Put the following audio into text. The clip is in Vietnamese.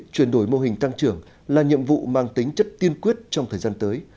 chuyển đổi mô hình tăng trưởng là nhiệm vụ mang tính chất tiên quyết trong thời gian tới